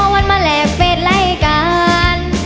วันมาแลกเฟสไลการ